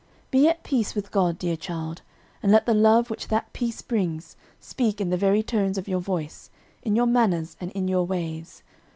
"Be at peace with God, dear child, and let the love which that peace brings, speak in the very tones of your voice, in your manners, and in your ways.